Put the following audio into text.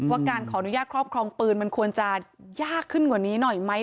ว่าการขออนุญาตครอบครองปืนมันควรจะยากขึ้นกว่านี้หน่อยไหม